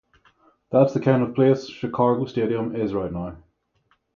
That's the kind of place Chicago Stadium is right now!